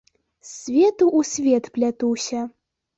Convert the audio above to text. З свету ў свет плятуся.